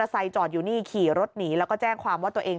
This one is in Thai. มอเตอร์ไซค์จอดอยู่นี่ขี่รถหนีแล้วก็แจ้งความว่าตัวเอง